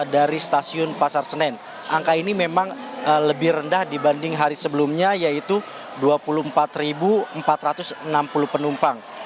dari stasiun pasar senen angka ini memang lebih rendah dibanding hari sebelumnya yaitu dua puluh empat empat ratus enam puluh penumpang